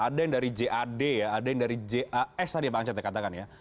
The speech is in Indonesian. ada yang dari jad ya ada yang dari jas tadi ya pak ancat ya katakan ya